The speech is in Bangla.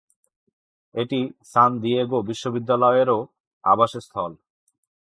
এটি সান দিয়েগো বিশ্ববিদ্যালয়েরও আবাসস্থল।